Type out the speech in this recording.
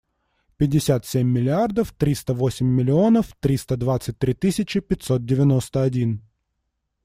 Пятьдесят семь миллиардов тридцать восемь миллионов триста двадцать три тысячи пятьсот девяносто один.